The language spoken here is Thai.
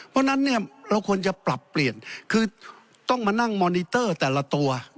เพราะฉะนั้นเนี่ยเราควรจะปรับเปลี่ยนคือต้องมานั่งมอนิเตอร์แต่ละตัว